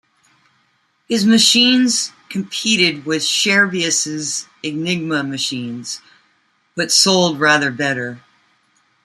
His machines competed with Scherbius' Enigma machines, but sold rather better.